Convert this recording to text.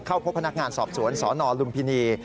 เข้าพบพนักงานสอบสวนสนลุมพินี